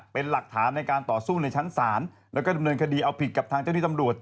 เป็นหลักฐานในการต่อสู้ในชั้นศาลแล้วก็ดำเนินคดีเอาผิดกับทางเจ้าที่ตำรวจ